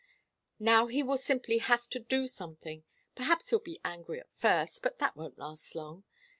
"Now he will simply have to do something. Perhaps he'll be angry at first, but that won't last long.